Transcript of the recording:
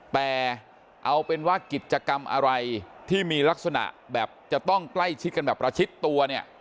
แต่เอาเป็นว่ากิจกรรมอะไรที่มีลักษณะแบบจะต้องใกล้ชิดกันแบบประชิดตัวเนี่ย